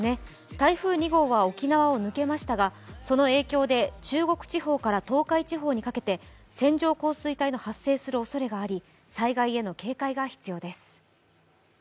台風２号は沖縄を抜けましたがその影響で中国地方から東海地方にかけて線状降水帯の発生するおそれがあり、災害への警戒が必要です。